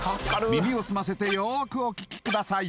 耳を澄ませてよーくお聴きください